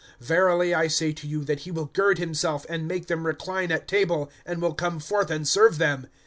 Verily I say to you, that he will gird himself, and make them recline at table, and will come forth and serve them.